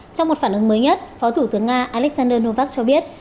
trong một phản ứng mới nhất phó thủ tướng nga alexander novak cho biết